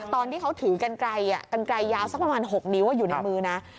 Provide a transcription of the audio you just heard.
ตอนที่เขาถือกันไกลกันไกลยาวสักประมาณ๖นิ้วอยู่ในมือนะ